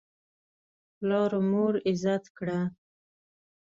پلار مور عزت کړه.